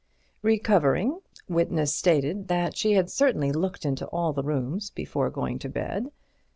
Recovering, witness stated that she had certainly looked into all the rooms before going to bed.